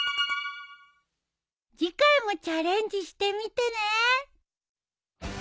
次回もチャレンジしてみてね。